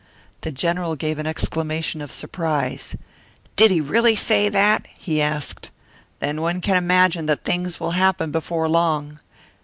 The General gave an exclamation of surprise. "Did he really say that?" he asked. "Then one can imagine that things will happen before long!"